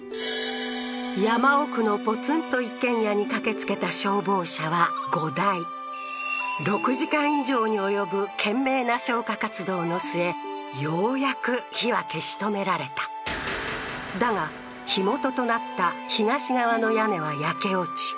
山奥のポツンと一軒家に駆けつけた消防車は５台６時間以上に及ぶ懸命な消火活動の末ようやく火は消し止められただが火元となった東側の屋根は焼け落ち